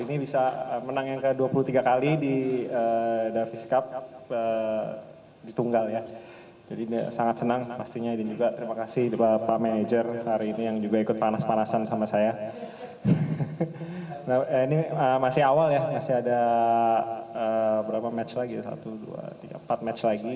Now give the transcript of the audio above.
ini masih awal ya masih ada berapa match lagi satu dua tiga empat match lagi